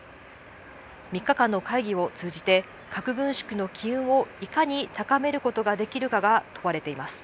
３日間の会議を通じて核軍縮の機運をいかに高めることができるかが問われています。